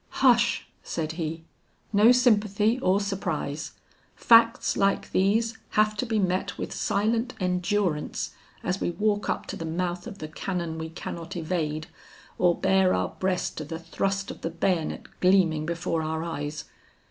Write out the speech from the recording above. "Hush," said he, "no sympathy or surprise. Facts like these have to be met with silent endurance, as we walk up to the mouth of the cannon we cannot evade, or bare our breast to the thrust of the bayonet gleaming before our eyes.